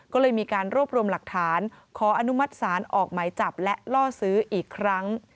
ก็เลยมีการรวบรวมหลักฐานขออนุมัติศาลออกหมายจับและล่อซื้ออีกครั้ง